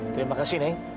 terima kasih neng